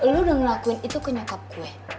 lo udah ngelakuin itu ke nyokap gue